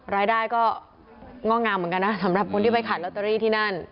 รายได้ก็ง่องงามเหมือนกันนะสำหรับคนที่ไปขายลอตเตอรี่ที่นั่น